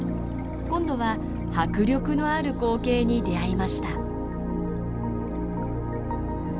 今度は迫力のある光景に出会いました。